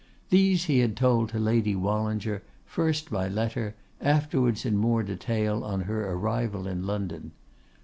These he had told to Lady Wallinger, first by letter, afterwards in more detail on her arrival in London.